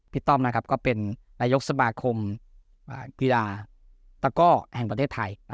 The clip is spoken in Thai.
ต้อมนะครับก็เป็นนายกสมาคมกีฬาตะก้อแห่งประเทศไทย